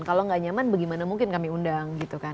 kalau enggak nyaman bagaimana mungkin kami undang